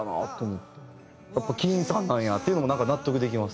ＫＥＥＮさんなんやっていうのも納得できます。